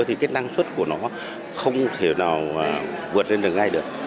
thì cái năng suất của nó không thể nào vượt lên được ngay được